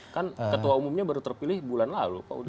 kan ketua umumnya baru terpilih bulan lalu